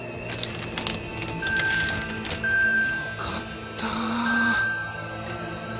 よかった。